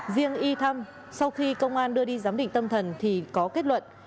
riêng y thăm sau khi công an đưa đi giám định tâm thần thì có kết luận